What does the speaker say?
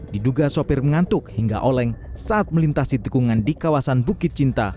diduga sopir mengantuk hingga oleng saat melintasi tikungan di kawasan bukit cinta